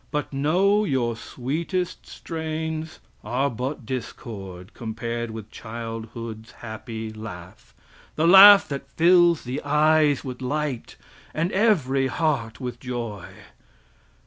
but know your sweetest strains are but discord compared with childhood's happy laugh the laugh that fills the eyes with light and every heart with joy!